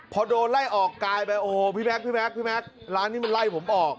พอโดนไล่ออกกายไปโอ้โหพี่แม็กซ์ร้านนี้มันไล่ผมออก